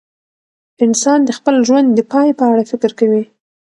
انسان د خپل ژوند د پای په اړه فکر کوي.